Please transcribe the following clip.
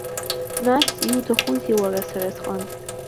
Нас, иуҭахузеи уара сара сҟнытә?